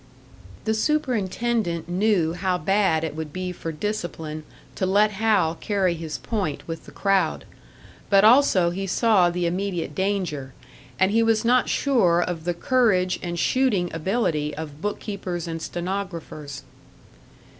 The superintendent knew how bad it would be for discipline to let Hal carry his point with the crowd; but also he saw the immediate danger and he was not sure of the courage and shooting ability of book keepers and stenographers.